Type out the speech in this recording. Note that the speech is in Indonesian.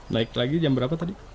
naik lagi jam berapa tadi